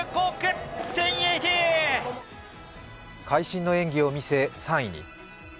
会心の演技を見せ、３位に。